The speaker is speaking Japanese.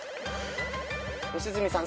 良純さん